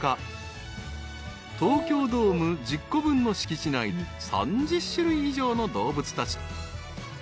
［東京ドーム１０個分の敷地内に３０種類以上の動物たち］